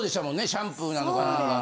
シャンプーなんかの。